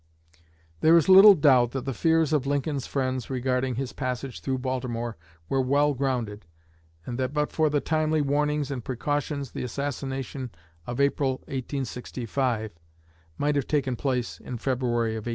There is little doubt that the fears of Lincoln's friends regarding his passage through Baltimore were well grounded; and that but for the timely warnings and precautions the assassination of April, 1865, might have taken place in February of 1861.